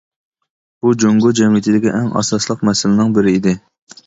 بۇمۇ جۇڭگو جەمئىيىتىدىكى ئەڭ ئاساسلىق مەسىلىنىڭ بىرى ئىدى.